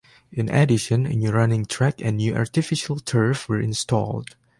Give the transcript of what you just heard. In addition, a new running track and new artificial turf were installed.